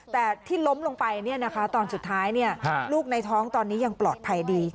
แต่ที่ล้มลงไปตอนสุดท้ายลูกในท้องตอนนี้ยังปลอดภัยดี